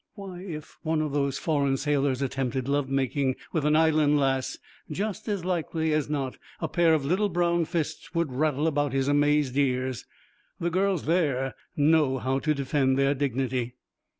Why, if one of those foreign sailors attempted love making with an Island lass, just as likely as not a pair of little brown fists would rattle about his amazed ears; the girls there know how to defend their dignity.